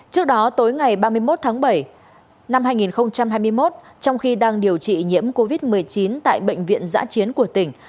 trước đó tối ngày ba mươi một tháng bảy năm hai nghìn hai mươi một trong khi đang điều trị nhiễm covid một mươi chín tại bệnh viện giã chiến của tỉnh